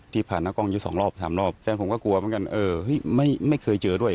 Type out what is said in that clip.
ผ่านหน้ากล้องอยู่สองรอบสามรอบแฟนผมก็กลัวเหมือนกันเออเฮ้ยไม่ไม่เคยเจอด้วย